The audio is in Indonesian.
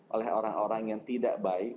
oleh orang orang yang tidak baik